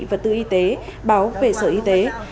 và tư y tế báo về sở y tế